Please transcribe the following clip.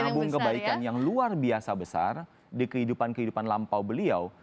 menabung kebaikan yang luar biasa besar di kehidupan kehidupan lampau beliau